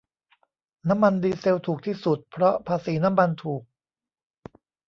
น้ำมันดีเซลถูกที่สุดเพราะภาษีน้ำมันถูก